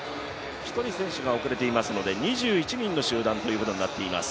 １人選手が遅れていますので２１人の集団となっています。